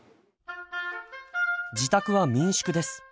自宅は民宿です。